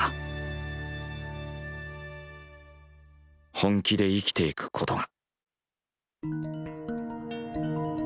本気で生きていくことが。